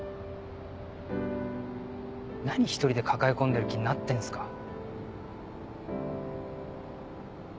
何一人で抱え込んでる気になってんすか。